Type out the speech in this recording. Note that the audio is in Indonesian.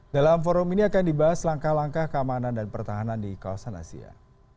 dalam forum ini akan dibahas langkah langkah keamanan dan pertahanan di kawasan asia